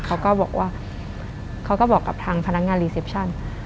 เขาก็บอกว่าเขาก็บอกกับทางพนักงานรีเซปชั่น